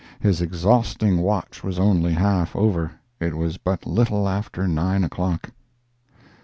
His exhausting watch was only half over—it was but little after nine o'clock.